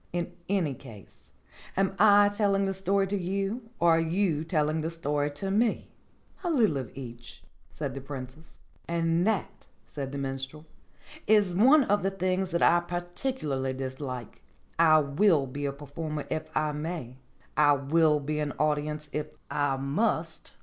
In any case, am I telling the story to you, or are you telling the story to me ?" "A little of each," said the Princess. "And that," said the Minstrel, "is one of the things that I particularly dislike. I will be a performer if I may. I will be an audience if I must.